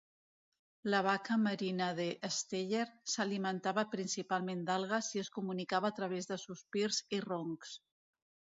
La vaca marina de Steller s'alimentava principalment d'algues, i es comunicava a través de sospirs i roncs.